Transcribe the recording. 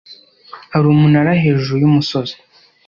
Hari umunara hejuru yumusozi.